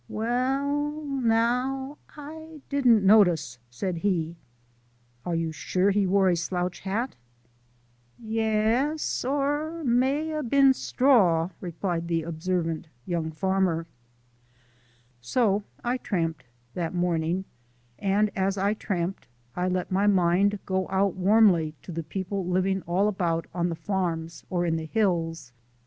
"Well, naow, I didn't notice," said he. "Are you sure he wore a slouch hat?" "Ye es or it may a been straw," replied the observant young farmer. So I tramped that morning; and as I tramped I let my mind go out warmly to the people living all about on the farms or in the hills.